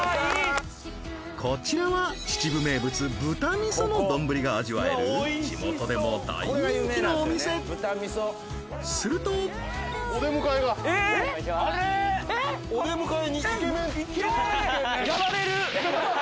こちらは秩父名物豚みその丼が味わえる地元でも大人気のお店するとお出迎えがお願いします